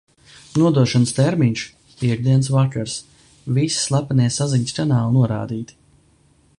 Nodošanas termiņš - piektdienas vakars. Visi slepenie saziņas kanāli norādīti.